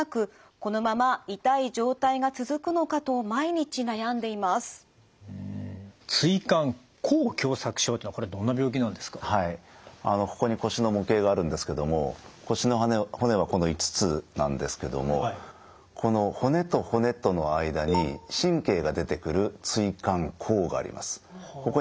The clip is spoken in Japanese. ここに腰の模型があるんですけども腰の骨はこの５つなんですけどもこの骨と骨との間に神経が出てくる椎間孔があります。